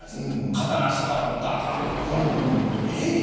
刀をあしたから持ったらあかんとか。